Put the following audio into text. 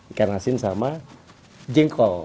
ikan asin sama jengkol